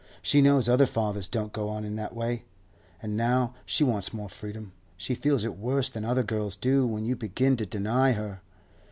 She knows other fathers don't go on in that way. And now she wants more freedom, she feels it worse than other girls do when you begin to deny her.